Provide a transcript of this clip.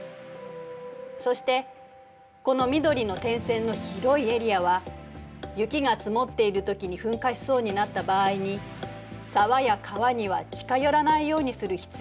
そしてこの緑の点線の広いエリアは雪が積もっているときに噴火しそうになった場合に沢や川には近寄らないようにする必要がある範囲なの。